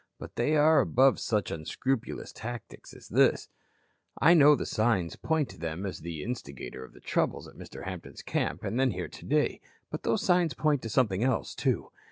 But they are above such unscrupulous tactics as this. "I know the signs point to them as the instigator of our troubles at Mr. Hampton's camp and then here today. But those signs point to something else, too.